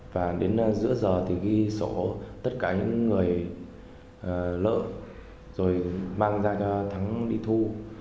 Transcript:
và đến giữa giờ thì ghi sổ tất cả những người lợi rồi mang ra cho thắng đi thu